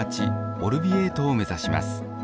オルヴィエートを目指します。